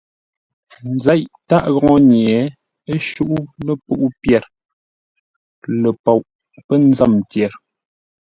Nzéʼ tâʼ góŋə́-nye, ə shúʼú lepuʼú pyêr ləpoʼ pə́ nzə́m tyer.